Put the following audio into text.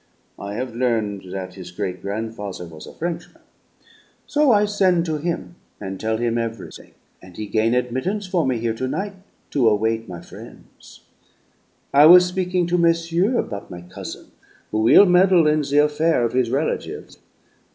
(I have learn' that his great grandfather was a Frenchman.) So I sen' to him and tell him ev'rything, and he gain admittance for me here to night to await my frien's. "I was speaking to messieurs about my cousin, who will meddle in the affair' of his relatives.